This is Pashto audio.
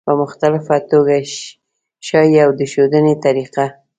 په مختلفه توګه ښي او د ښودنې طریقه